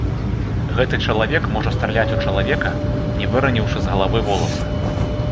Гэты чалавек можа страляць у чалавека, не выраніўшы з галавы воласа.